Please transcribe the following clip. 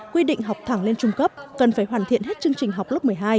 quy định học thẳng lên trung cấp cần phải hoàn thiện hết chương trình học lớp một mươi hai